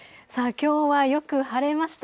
きょうはよく晴れました。